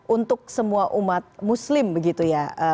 untuk semua umat muslim begitu ya